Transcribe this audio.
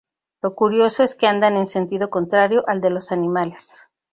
Lo curioso es que andan en sentido contrario al de los animales.